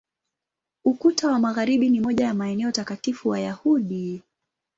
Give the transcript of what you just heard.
Ukuta wa Magharibi ni moja ya maeneo takatifu Wayahudi.